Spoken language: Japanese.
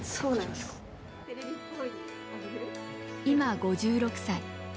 今５６歳。